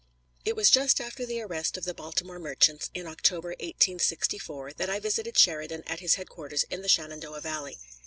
It was just after the arrest of the Baltimore merchants, in October, 1864, that I visited Sheridan at his headquarters in the Shenandoah Valley.